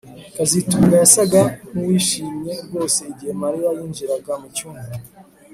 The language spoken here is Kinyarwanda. kazitunga yasaga nkuwishimye rwose igihe Mariya yinjiraga mucyumba